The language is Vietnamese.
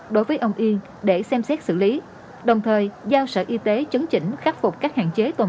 đối với ông yên để xem xét xử lý đồng thời giao sở y tế chấn chỉnh khắc phục các hạn chế tồn